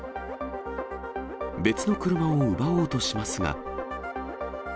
別の車を奪おうとしますが。